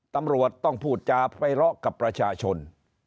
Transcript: ตำรวจต้องพูดจาไปเลาะกับประชาชน